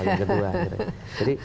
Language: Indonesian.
yang kedua jadi